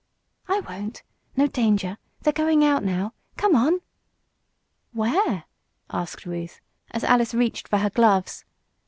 "I won't no danger. They're going out now. Come on!" "Where?" asked Ruth, as Alice reached for her gloves.